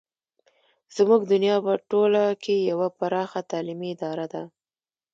زموږ دنیا په ټوله کې یوه پراخه تعلیمي اداره ده.